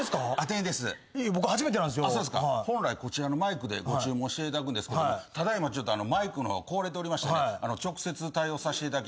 本来こちらのマイクでご注文していただくんですけどただ今マイクの方が壊れておりましてね直接対応させていただきます。